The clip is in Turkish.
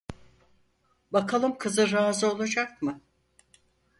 Bakalım kızı razı olacak mı?